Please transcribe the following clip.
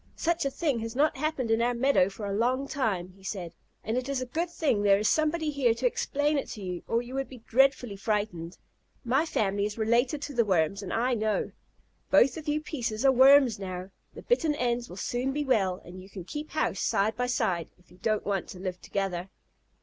"Such a thing has not happened in our meadow for a long time," he said, "and it is a good thing there is somebody here to explain it to you, or you would be dreadfully frightened. My family is related to the Worms, and I know. Both of you pieces are Worms now. The bitten ends will soon be well, and you can keep house side by side, if you don't want to live together."